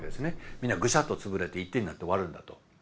みんなグシャッと潰れて一点になって終わるんだと。